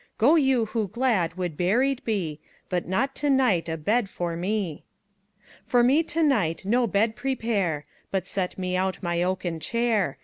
Go you who glad would buried be, But not to night a bed for me. For me to night no bed prepare, But set me out my oaken chair.